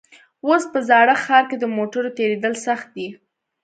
اوس په زاړه ښار کې د موټرو تېرېدل سخت دي.